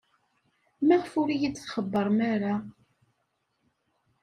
Maɣef ur iyi-d-txebbrem ara?